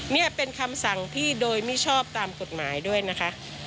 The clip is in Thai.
นี่เป็นคำสั่งที่โดยมิชอบตามกฎหมายด้วยนะคะ